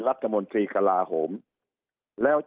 สุดท้ายก็ต้านไม่อยู่